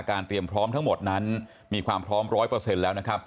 เตรียมพร้อมทั้งหมดนั้นมีความพร้อม๑๐๐แล้วนะครับ